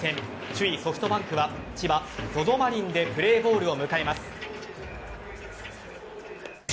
首位・ソフトバンクは千葉・ＺＯＺＯマリンでプレーボールを迎えます。